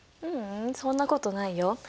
ううんそんなことないよ。